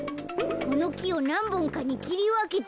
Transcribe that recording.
このきをなんぼんかにきりわけてよ。